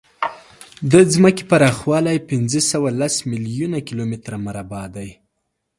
د ځمکې پراخوالی پینځهسوهلس میلیونه کیلومتره مربع دی.